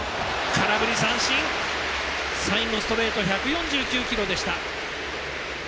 空振り三振最後ストレート１４９キロでした。